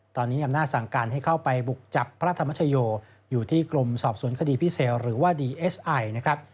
ตอนนี้อำนาจสั่งการให้เข้าไปบุกจับพระธรรมชโยอยู่ที่กรมสอบสวนคดีพิเศษหรือว่าดีเอสไอนะครับ